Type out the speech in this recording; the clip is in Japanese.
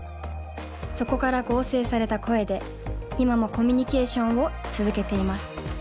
そこから合成された声で今もコミュニケーションを続けています。